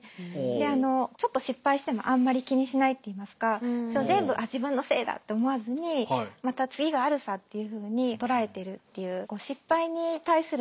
であのちょっと失敗してもあんまり気にしないっていいますか全部あっ自分のせいだって思わずにまた次があるさっていうふうに捉えてるっていう。